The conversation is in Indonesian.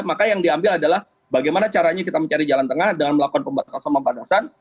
maka yang diambil adalah bagaimana caranya kita mencari jalan tengah dengan melakukan pembatasan